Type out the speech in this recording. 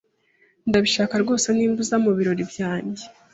Ndabishaka rwose niba uza mubirori byanjye.